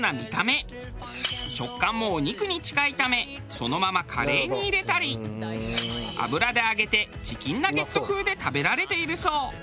食感もお肉に近いためそのままカレーに入れたり油で揚げてチキンナゲット風で食べられているそう。